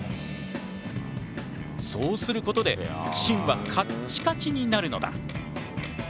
そうすることで芯はカッチカチになるのだ。